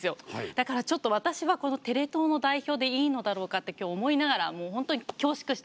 だからちょっと私はこのテレ東の代表でいいのだろうかって今日思いながらもう本当に恐縮しております。